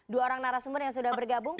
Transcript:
dua orang narasumber yang sudah bergabung